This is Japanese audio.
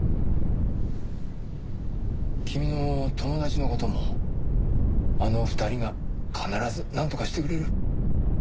君の友達の事もあの２人が必ずなんとかしてくれる。